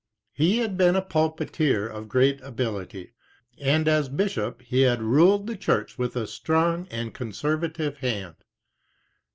He had been a pulpiteer of great ability, and as bishop he had ruled the church with a strong and conservative hand.